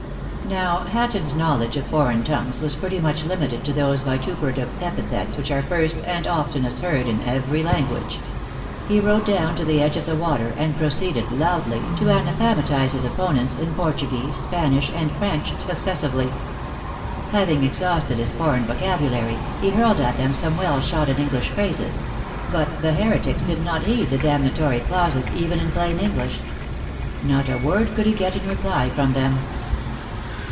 " Now, Hatton s knowledge of foreign tongues was pretty much limited to those vituperative epithets which are first and oftenest heard in every language. He rode down to the edge of the water, and proceed ed loudly to anathamatize his opponents in Portu guese. Spanish and French successively. Having exhausted his foreign vocabulary, he hurled at them some well shotted English phrases but the heretics did not heed the damnatory clauses, even in plain English. Not a word could he get in reply from them.